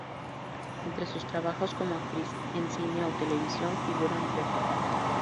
Entre sus trabajos como actriz, en cine o televisión, figuran "Breaker!